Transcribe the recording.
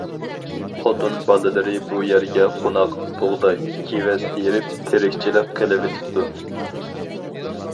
خوتۇن، بالىلىرى بۇ يەرگە قوناق، بۇغداي، كېۋەز تېرىپ، تىرىكچىلىك قىلىۋېتىپتۇ.